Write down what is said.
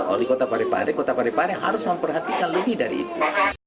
wali kota parepare kota parepare harus memperhatikan lebih dari itu